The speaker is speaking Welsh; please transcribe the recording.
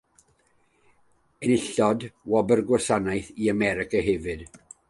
Enillodd Wobr Gwasanaeth i America hefyd.